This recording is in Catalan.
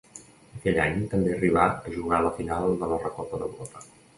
Aquell any també arribà a jugar la final de la Recopa d'Europa.